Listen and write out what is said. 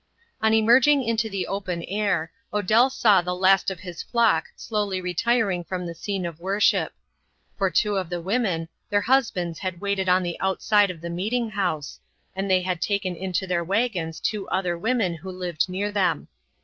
On emerging into the open air, Odell saw the last of his flock slowly retiring from the scene of worship. For two of the women, their husbands had waited on the outside of the meeting house, and they had taken into their wagons two other women who lived near them.